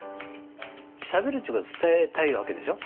しゃべるっちゅうことは伝えたいわけでしょ。